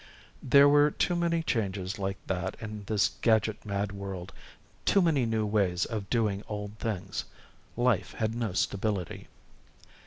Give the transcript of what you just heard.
There were too many changes like that in this gadget mad world; too many new ways of doing old things. Life had no stability.